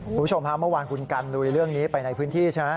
คุณผู้ชมฮะเมื่อวานคุณกันลุยเรื่องนี้ไปในพื้นที่ใช่ไหม